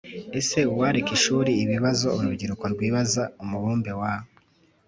Ese uwareka ishuri Ibibazo urubyiruko rwibaza Umubumbe wa